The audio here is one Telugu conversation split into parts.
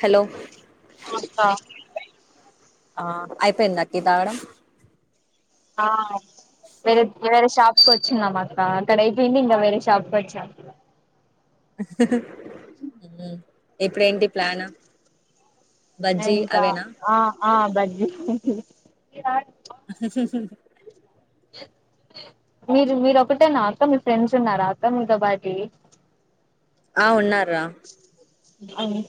హలో నమస్తా [unintelligible] ఆ అయిపోయింద అక్కీ తాగడం ఆ వేరే వేరే షాప్కు వచ్చినం అక్క అక్కడ అయిపోయింది ఇంగా వేరే షాప్కి వచ్చాం ఇప్పుడేంటి ప్లాను ఎంతా ఆ ఆ బజ్జి మీరు మీరు ఒకటేనా అక్క మీ ఫ్రెండ్స్ ఉన్నారు అక్క మీతో పాటి ఆ ఉన్నారు రా అవును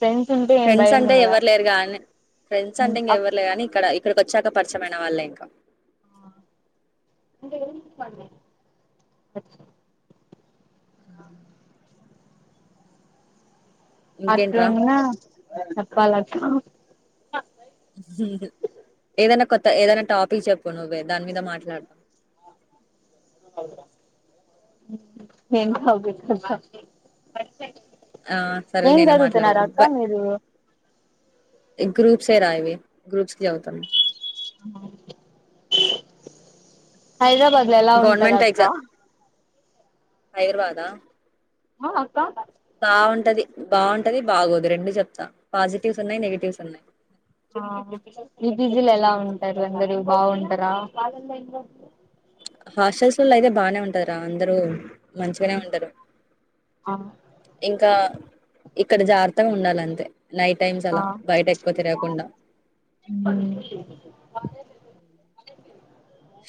ఫ్రెండ్స్ అంటే ఎవ్వరు లేరు కానీ ఫ్రెండ్స్ అంటే ఇంగా ఎవరులేరు కానీ ఇక్కడ ఇక్కడికి వచ్చాక పరిచమైన వాళ్ళే ఇంకా ఇంకా ఏం హ [inaudible] ఇంకేంట్రా అట్లున్న చెప్పాల అక్క ఏదైనా కొత్త ఏదైనా టాపిక్ చెప్పు నువ్వే దాని మీద మాట్లాడదాం ఏం టాపిక్ అక్క ఆ సరే నేనే మాట్లాడదాం అక్క బ మీరు గ్రూప్సే రా ఇవి గ్రూప్స్కి చదుతాం హైద బాదులో ఎలా ఉంటది అక్క హైదరాబాద ఆ అక్క బాగుంటది బాగుంటది బాగోదు రెండు చెప్తా పాజిటివ్స్ ఉన్నాయి నెగిటివ్స్ ఉన్నాయి మీ పీజీల ఎలా ఉంటారు అందరూ బాగుంటారా హాస్టల్స్ లల్లా అయితే బాగానే ఉంటది రా అందరు మంచిగానే ఉంటారు ఆ ఇంకా ఇక్కడ జారుత్తగా ఉండాలంతే నైట్ టైమ్స్ ఆ అలా బయట ఎక్కువ తిరగకుండా మ్మ్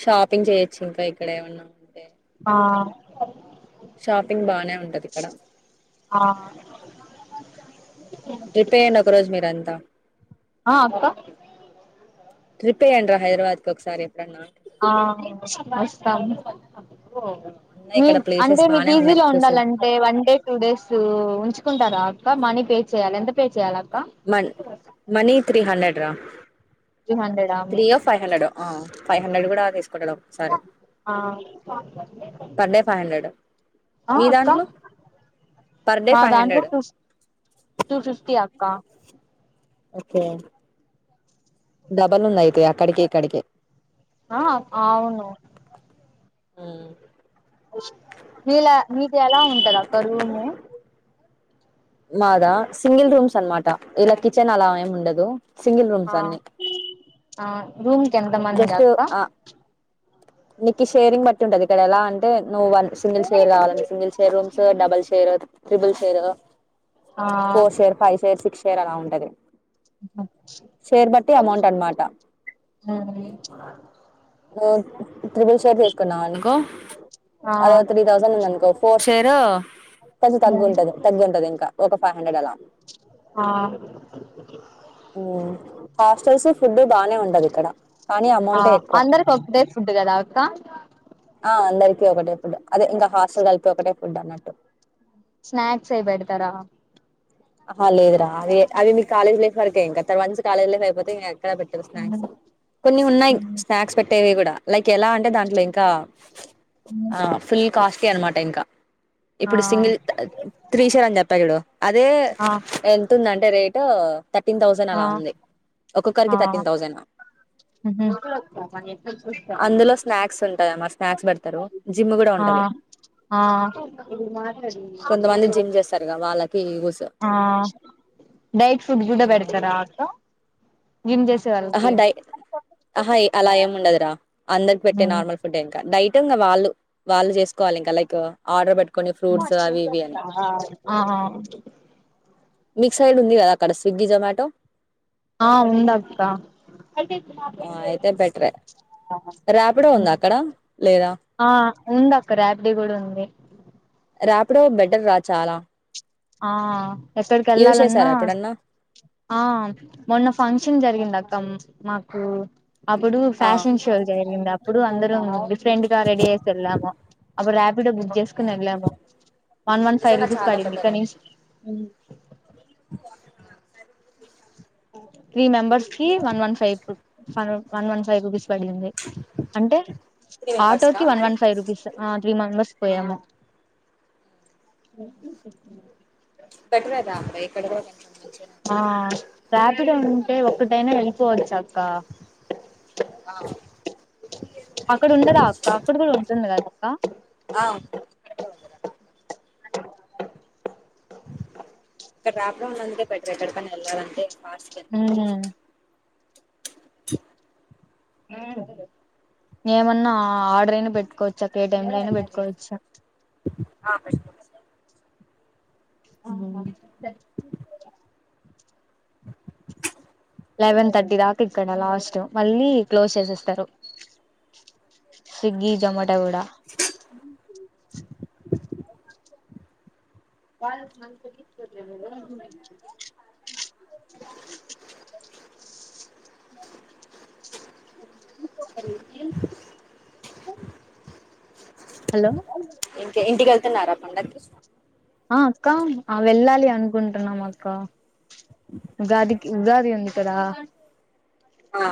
షాపింగ్ చేయొచ్చు ఇంకా ఇక్కడ ఏమన్నా ఉంటే ఆ షాపింగ్ బానే ఉంటది ఇక్కడ ఆ ట్రిప్ వేయండి ఒక రోజు మీరంతా ఆ అక్క ట్రిప్ వెయ్యండరా హైదరాబాద్ కు ఒకసారి ఎప్పుడన్నా అంటున్నా. ఆ వస్తాను అప్ ఉన్నాయి మీ ఇక్కడ ప్లేసెస్ అంటే మీ బానే ఉన్నాయి బిజీలో చూసే ఉండాలంటే వన్ డే టూ డేస్ ఉంచు కుంటార అక్క మనీ పే చేయాలి ఎంత పే చేయాల మన్ మనీ త్రీ హండ్రెడ్ డ్ర త్రీ హండ్రెడ్ త్రీ ఓ ఫైవ్ హండ్రెడ్ ఓ ఆ ఫైవ్ హండ్రెడ్ కూడా తీసుకుంటడు ఒక్కొక్కసారి పర్ డే ఫైవ్ హండ్రెడ్ ఆ మీ అక్క దాంట్లో పర్ డే మా ఫైవ్ దాంట్లో హండ్రెడ్ టూ ఫిఫ్టీ యా క ఓకే డబల్ ఉన్ను అయితయా కడికే కడికే అ ఆవును ఆ నీలా నీకుఎలా ఉంటది అక్క రూము మాదా సింగిల్ రూమ్స్ అనమాట ఇలా కిచెన్ అలా ఏమి ఉండదు సింగిల్ రూమ్స్ ఆ అన్ని ఆ రూమ్ కు ఎంత మంది అక్క నికి షేరింగ్ బట్టి ఉంటది ఇక్కడ ఎలా అంటే నువ్వు వన్ సింగిల్ షేర్ కావాలంటే single share rooms double share triple share ఆ four share five share six పేరు అలా ఉంటది షేర్ బట్టి అమౌంట్ అనమాట నోన్లీ నోను ట్రిబుల్ షేర్ తీసుకున్నాం అనుకో ఆ అదో త్రీ థౌసండ్ ఉంది అనుకో ఫోర్ షేర్ కొంచం తగ్గుంటది తగ్గుంటంది ఇంకా ఒక ఫైవ్ హండ్రెడ్ అలా ఆ ఉ హాస్టల్స్ ఫుడ్ బానే ఉండదు ఇక్కడ కానీ అమౌంటే ఎక్కువ ప్పుడే ఫుడ్ కదా అక్క ఆ అందరికి ఒకటే ఫుడ్ అదే ఇంకా హాస్టల్ వాళ్లకి ఒకటే ఫుడ్ అన్నట్టు స్నాక్స్ అయి బేడతారా అ లేదురా అవి అవి మీ కాలేజ్ లైఫ్ వరకే ఇంకా వన్స్ కాలేజ్ లైఫ్ అయిపోతే ఇం కదా పెట్టదు స్నాక్స్ కొన్ని ఉన్నాయి స్నాక్స్ పె తేవీ కూడా లైక్ ఎలా అంటే దాంట్లో ఇంకా ఆ ఫుల్ కాస్టి అనమాట ఇంకా ఆ ఆ ఇప్పుడు సింగిల్ త్రీ షేర్ అని చెప్పా చూడు అదే ఆ ఎంత ఉంది అండి [unintelligible] థర్టీన్ థౌసండ్ అలా ఆ ఉంది ఆ ఒక్కొక్కరికి థర్టీన్ థౌసండ్ అందులో స్నాక్స్ ఉంటయి మరి స్నాక్స్ పెడతారు జిమ్ కూడా ఉంటది ఆ ఆ కొంతమంది జిమ్ చేస్తారు గా వాళ్ళకి ఆ డైట్ పుడ్ కూడా పేడతారా అక్క జిమ్ చేసే ఆహా వాళ్ళకి డై ఆహా అలా ఏమి ఉండదురా అందరి పెట్టే నార్మల్ ఫుడ్ ఇంకా డైట్ వాళ్ళు వాళ్ళు చేసుకోవాలి ఇకా లైక్ ఆర్డర్ బేట్టి కొన్ని ఫ్రూట్స్ అవి ఇవి అని ఆ ఆ మి సైడ్ ఉంది కదా అక్కడ స్విగ్గీ జమాటో ఆ ఉంది అక్క అయితే బెటరే ర్యాపిడో ఉందా అక్కడ లేదా ఆ ఉంది అక్క ర్యాపిడో కూడా ఉంది రాపిడో బెటర్ రా చాలా ఆ ఎక్కడికి యూజ్ వెళ్ళాలన్నా చేసారా ఎప్పుడన్నా ఆ మొన్న ఫంక్షన్ జరిగింది అక్క నాకు అప్పుడు ఆ ఫ్యాషన్ షో జరిగింది అ ఇప్పుడు అందరూ డిఫరెంట్గా రెడీ చేసి వెళ్ళాము అప్పుడు ర్యాపిడో బుక్ చేసుకుని వెళ్ళాము వన్ వన్ ఫైవ్ నిజంగా రూపీస్ చాలా పడింది better [unintelligible] three members one one five one one five rupees పడింది అంటే త్రీ మెంబర్స్ ఆటో కి కా వన్ వన్ ఫైవ్ రూపీస్ ఆ త్రీ మెంబర్ పోయాము బెటర్ ఎ గా ఇక్కడ కూడా కొంచెం మంచిగానే ఆ రాపిడో ఉంటే ఒక్కటైనా వెళ్ళిపోవచ్చు అక్క ఆ అక్కడ ఉండదా అక్క అక్కడ కూడా ఉంటుంది కదా ఆ ఉంది అక్క అక్కడ రాపడో అందుకే బెటర్ ఎక్కడికనా వెళ్ళాలంటే ఫాస్ట్ గా వెళ్లిపోవచ్చు ఉమ్ ఏమన్నా ఆర్డర్ అయినా పెట్టుకో చక్క ఏ టైమ్ లో అయినా పెట్టుకోవచ్చా ఆ పెట్టుకోవచ్చు హు లెవెన్ థర్టీ దాకా ఇక్కడ లాస్ట్ మళ్ళీ క్లోజ్ చేసేస్తారు స్విగ్గి జొమ టో కూడా అ హలో ఇంకా ఇంటికి వెళ్తున్నారా పండక్కి ఆ అక్క ఆ వెళ్ళాలి అనుకుంటున్నాం అక్క ఉగాదికి ఉగాది ఉంది కదా ఆ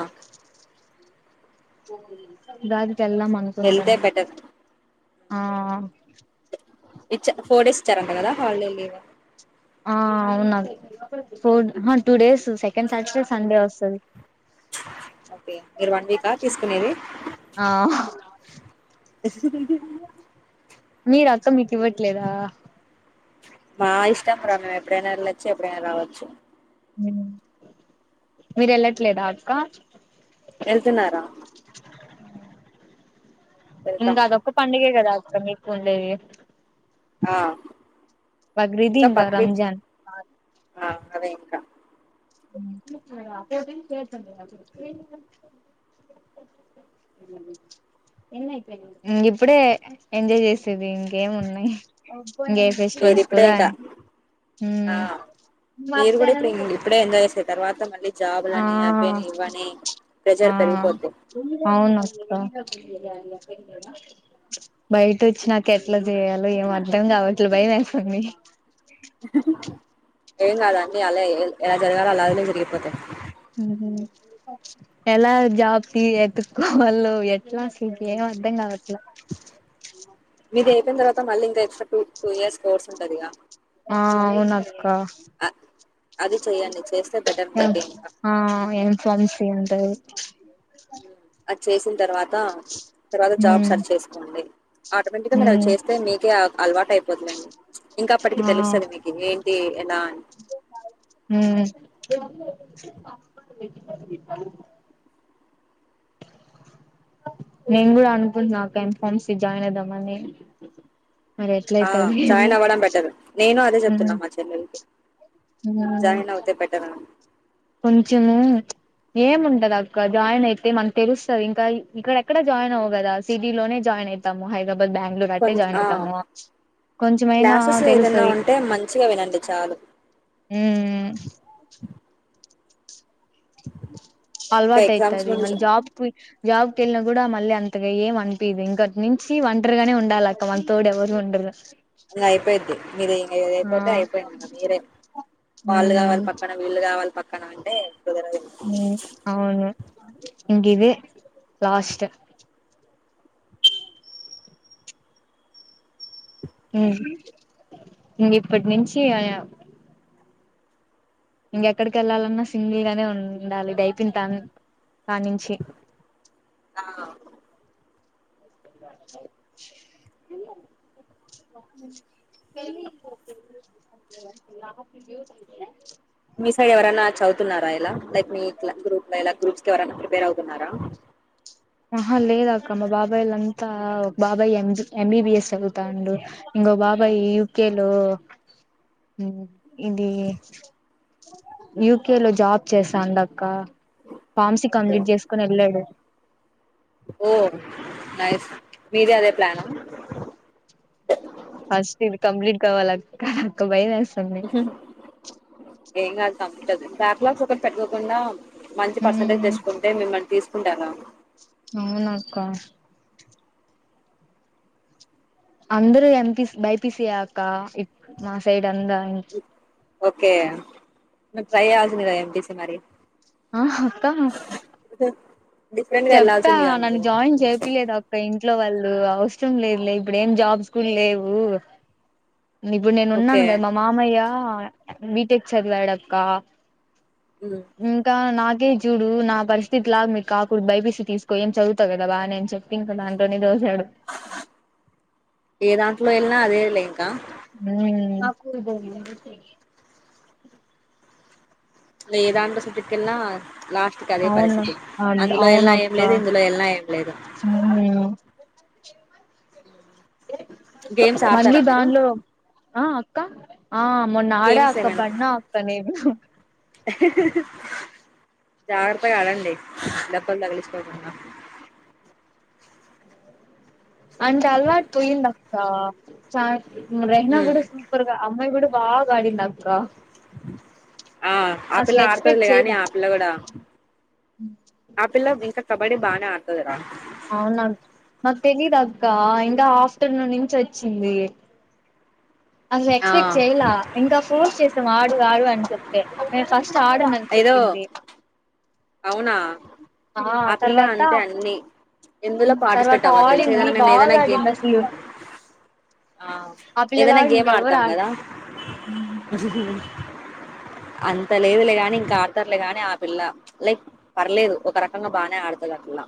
ఉగాద్ వెళ్ళాదం అనుకుంటున్నా వెళ్తే బెటర్ ఆ ఇచ్చ ఫోర్ డేస్ ఇచ్చారంట కదా హాలిడే లీవ్ ఆ అవునా ఫోర్ అహ two days second Saturday Sunday వస్తాది ఓకే మీరు వన్ వీకా తీసుకునేది ఆ మీరు అక్క మీకు ఇవ్వట్లేదా మా ఇష్టం రా మేము ఎప్పుడైనా వెళ్ళచ్చు ఎప్పుడైన రావచ్చు హు మీరు వెళ్లట్లేదా అక్క వెళ్తున్నారా వెళ్తాం ఇంగ అదొక్క పండగే కదా క్క మీకు ఉండేది ఆ బక్రిీది ఇంకా రంజన్ ఆ అదే ఇంకా ఇంగిప్పుడే ఎంజాయ్ చేసేది ఇంకేం ఉన్నాయి ఇంగ ఏ ఫెస్టివల్స్ మీరిప్పుడే కూడా ఇంకా ఆ హు మీరు కూడా ఇప్పుడు ఇప్పుడే ఎంజాయ్ చేసే తర్వాత మళ్ళీ ఆ జాబులని అవ్వని ఇవ్వని ప్రెజర్ అ పెరిగిపోద్ది అవునక్కా బయట వచ్చి నాకేట్లా చేయాలో ఏం అర్థం కావట్లే భయం వేస్తుంది హు హు ఏం కాదండీ అలా ఎలా జరగాలో అలాగ జరిగిపోతాయి. హు ఎలా జాబ్ తీ ఎతుక్కోవాలో ఎట్లా అసలు ఏం అర్ధం కావట్లా. ఇది అయిన తర్వాత మళ్ళ ఇంకా extra two two years course ఉంటది ఇక. ఆ అ అక్కా అది చెయ్యండి చేస్తే బెటర్ మీకే ఇంకా ఆ ఏం [unintelligible] ఉంటాయి [inaudible] అది చేసిన తర్వాత తర్వాత జాబ్ ఉమ్ సర్చ్ చేసుకోండి ఆటోమేటిగ్గా మనము ఉమ్ చేస్తే మీకే అలవాటు అయిపోతుందండి ఇంకా అప్పటికి ఆ తెలుస్తుంది మీకు ఏంటి ఎలా అని. ఉమ్ [unintelligible] నేను కూడా అనుకుంటున్నా అక్కా ఎం ఫార్మసి జాయిన్ అయిదామని. మరి ఆ ఎట్లయితదో ఏమో జాయిన్ అవ్వడం బెటర్ నేను అదే ఉమ్ చెప్తున్నా మా చెల్లలకి. జాయిన్ అవుతే బెటర్ కొంచము ఏముంటది అక్క జాయిన్ అయితే మనకు తెలుస్తాది ఇంకా ఇక్కడ ఎక్కడ జాయిన్ అవము కదా సిటీలోనే జాయిన్ అవుతాము హై బాద్ బెంగళూరు అట్టే కొంచ జాయిన్ ఆ అవుతాము కొంచమైనా క్లాసెస్ ఏదన్నా తెలుస్తది ఉంటే మంచిగా వినండి చాలు హు హు. ఇంకా అలవాటు ఎగ్జామ్స్ అయితయిి ముందు అళ్ చ జాపు. జాబ్కి వెళ్ళినా కూడా మళ్ళీ అంతగా ఏం అనిపిది ఇంకోటి నుంచి ఒంటరుగానే ఉండాలి అక్క మన తోడు ఎవరు ఉండరు. ఇంకా అయిపోయిద్ది మీరు ఇంకా ఆ ఏదియిపోతే అయిపోయింది ఇకా మీరే వాళ్ళు ఉమ్ కావాలి పక్కన వీళ్ళు కావాలి పక్క. క్కనా అంటే ఇప్పుద హ అవును ఇంగ్ది లాస్ట్ ఇప్పటి నుంచి ఆ ఇంకెక్కడికి వెళ్ళాలన్నా సింగిల్ గానే ఉండాలి ఇది అైపి తాను. కానించి ఆ వెళ్ళి మీసై ఎరన్నా చవుతు ఇలా లైక్ మీట్లా గ్రూప్ లోలా గ్రూప్స్ క ఎవరైనా ప్రిపేర్ అవుతున్నారా. ఆహా లేదక్క మా బాబాయలంతా ఒక బాబాయ్ ఎంబీబిఎస్ వెళ్తాండు ఇంకో బాబాయ యూకేలో ఇది యూకేలో జాబ్ చేసాం అక్క ఫార్మ్సీ ఓకే కంప్లీట్ చేసుకుని వెళ్ళాడు. ఓ నైస్ మీద అదే ప్లానా అస్ ఇది కంప్లీట్ కావాలక్క బయ సడి ఏం కాదు సంం బ్యాక్లాగ్స్ ఒకటి పెట్టుకోకుండా. మంచి పర్సెంటేజ్ తెచ్చుకుంటే మిమ్మల్ని తీసు. ఉంటద అవునాక్క అందరు ఎంపీ బైపిసియా అక్క మా సైడ్ అందా ఓకే ట్రై అవాల్సిందిదా ఎంపిసి మరి ఆ అక్కమ్మా [unintelligible] చెప్తా వెళ్లాల్సిందిగా నన్ను నువ్వు జాయిన్ చేసింది ఆ ఫ్రెండ్ ఇట్లో వాళ్ళు అవసరం లేదు లే ఇప్పుడు ఏం జాబ్స్ కూడా లేవు ఇప్పుడు నేను ఓకే ఉన్నాను కదా మా మామయ్య బీటెక్ చదివాడక్క ఉమ్ ఇంకా నా చూడు నా పరిస్థితి లాగా మీకు కాకు ఇప్పు బైపిసి తీసుకో ఏ చదుతా కదా నే చెప్ప ఇంకా దాట్లోనే ఏ దాంట్లో ఎ అల్ంక హమ్ ఏదాంట సంటకన్నా అవును అ వెళ్ళినా ఏం అవునఅక్క లేదు ఇందులో వెళ్ళినా ఏం లేదు గేమ్స్ మళ్ళీ ఆడతారా మీరు దానిలో ఆ అక్క ఆ మొ నాడే గేమ్స్ అక్క ఏమైనా బన్న అక్క నేను జాగ్రత్త ఆడండి డెబ్బలు తగులిచుకోకుండా అంట అలవాటు పోయిందక్క చ రహనా గ ఉమ్ కూడా సూపర్ అమ్మాయి కూడా బాగా అడిందక్క హ ఆ పిల్ల ఎక్స్పెక్ట్ ఆడుతుదిలే కానీ చేయలే ఆపిల్ల కూడా ఆ పిల్ల ఇంకా కబడ్డీ బానే ఆడతదరా అవునా నాకు తెలీదు అక్క ఇంకా ఆఫ్టర్నూన్ నుంచి వచ్చింది అసలు ఆ ఎక్స్పెక్ట్ చెయలే ఇంకా ఫోన్స్ చేసాం ఆడు ఆడు అని చెప్పి మ ఫస్ట్ ఆడను అని ఏదో చెప్పింది అవునా ఆ పిల్ల అంటే అన్ని ఎందులో తర్వాత పార్టిసిపేట్ అవ్వదు తెలుసు ఆడింది ఏదైనా మేము ఏదైనా బాగా గేమ్ ఆడింది అసలు ఆ ఏదైనా పిల్లలాగా గేమ్ ఇంకెవ్వరు ఆడతాం ఆడ కదా అంత లేదులే గాని ఇంకా ఆడతారులే గాని ఆ పిల్ల లైక్ పర్లేదు ఒక రకంగా బానే ఆడుతుంది ఆ పిల్ల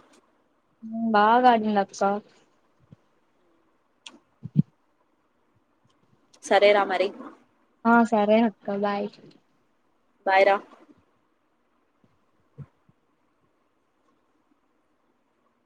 బాగా ఆడింద అక్క సరే రామరి ఆ సరే అక్క బాయ్ బాయ్ రా